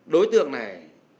đối tượng này